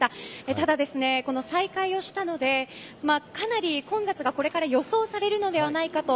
ただ、再開したのでかなり混雑がこれから予想されるのではないかと。